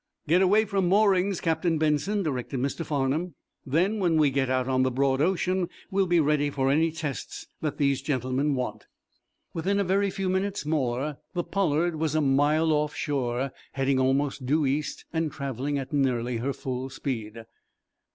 "Get away from moorings, Captain Benson," directed Mr. Farnum. "Then, when we get out on the broad ocean, we'll be ready for any tests that these gentlemen want." Within a very few minutes more the "Pollard" was a mile off shore, heading almost due east and traveling at nearly her full speed.